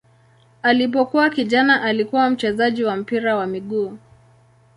Alipokuwa kijana alikuwa mchezaji wa mpira wa miguu.